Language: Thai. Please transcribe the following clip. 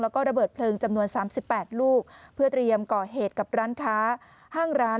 แล้วก็ระเบิดเพลิงจำนวน๓๘ลูกเพื่อเตรียมก่อเหตุกับร้านค้าห้างร้าน